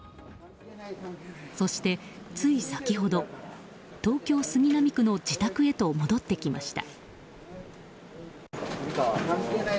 そして、つい先ほど東京・杉並区の自宅へと戻ってきました。